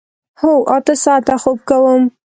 هو، اته ساعته خوب کوم